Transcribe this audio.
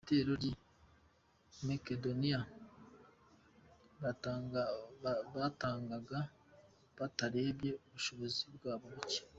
Itorero ry’i Makedoniya, batangaga batarebye ubushobozi bwabo buke.